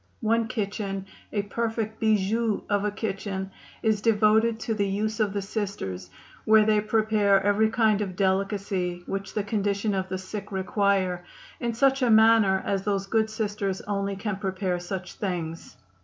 One kitchen, a perfect 'bijou' of a kitchen, is devoted to the use of the Sisters, where they prepare every kind of delicacy which the condition of the sick require, in such a manner as those good Sisters only can prepare such things.